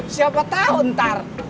siapa tau ntar